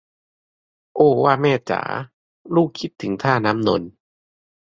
โอ้ว่าแม่จ๋า ลูกคิดถึงท่าน้ำนนท์